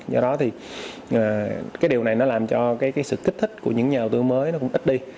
do đó thì cái điều này nó làm cho cái sự kích thích của những nhà đầu tư mới nó cũng ít đi